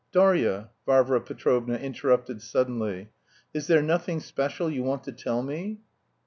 "Darya!" Varvara Petrovna interrupted suddenly, "is there nothing special you want to tell me?"